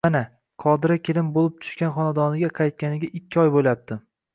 Mana, Qadira kelin boʻlib tushgan xonadoniga qaytganiga ikki oy boʻlyapti